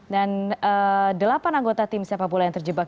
dan delapan anggota tim siapa pula yang terjebak